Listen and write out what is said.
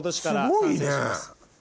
すごいね！